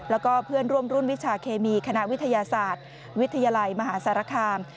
แล้วก็เพื่อนร่วมรุ่นวิชาเคมีคณะวิทยาศาสตร์วิทยาลัยมหาสารคาม